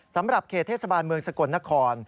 สำหรับเขตเทศบาลเมืองสกลนคร